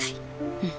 うん。